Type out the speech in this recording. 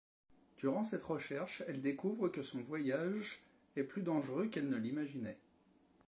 Durant cette recherche, elle découvre que son voyage est plus dangereux qu'elle ne l'imaginait.